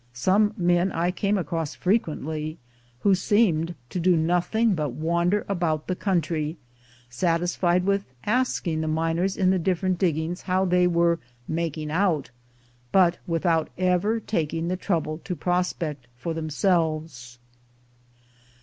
Some men I came across frequently, who seemed to do nothing but wander about the country, satisfied with asking the miners in the different diggings how they were "making out," but without ever taking the trouble to prospect for themselves.